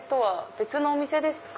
別のお店ですか？